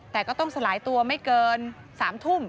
แต่ก็ต้องสลายตัวไม่เกิน๓ทุ่ม